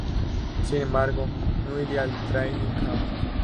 Sin embargo, no iría al training camp.